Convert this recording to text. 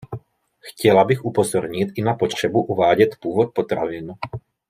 Chtěla bych upozornit i na potřebu uvádět původ potravin.